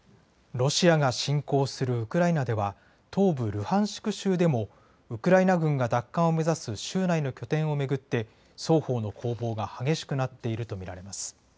ロシアが侵攻するウクライナでは、東部ルハンシク州でも、ウクライナ軍が奪還を目指す州内の拠点を巡って、双方の攻防が激しくなっていると見られます。